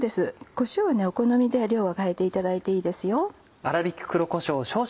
こしょうはお好みで量は変えていただいていいですよ。